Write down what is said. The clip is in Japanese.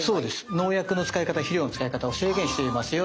農薬の使い方肥料の使い方を制限していますよと。